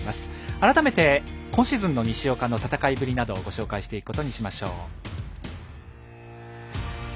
改めて、今シーズンの西岡の戦いぶりなどをご紹介していくことにしましょう。